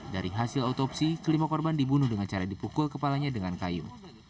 dari hasil otopsi kelima korban dibunuh dengan cara dipukul kepalanya dengan kayu